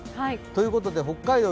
ということで、北海道